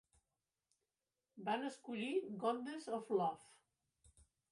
Van escollir "Goddess of Love".